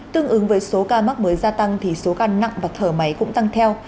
tương ứng với số ca mắc mới gia tăng thì số ca nặng và thở máy cũng tăng theo